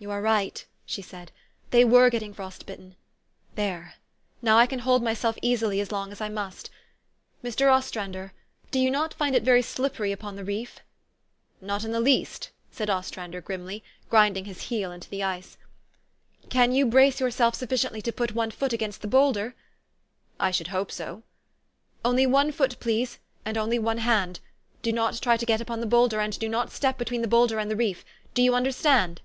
" You are right," she said: " they were getting frost bitten. There. Now I can hold myself easily enough as long as I must. Mr. Ostrander, do you find it very slippery upon the reef ?" 4 'Not in the least," said Ostrander grimly, grind ing his heel into the ice. THE STORY OF AVIS. 81 "Can you brace yourself sufficiently to put one foot against the bowlder?" "I should hope so." " Only one foot, please, and only one hand. Do not try to get upon the bowlder, and do not step between the bowlder and the reef. Do you under stand?"